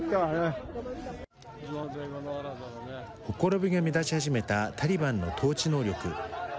ほころびが目立ち始めたタリバンの統治能力。